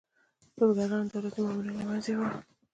بزګرانو دولتي مامورین له منځه یوړل.